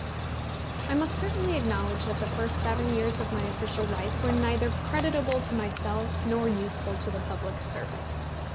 I must certainly acknowledge that the first seven years of my official life were neither creditable to myself nor useful to the public service.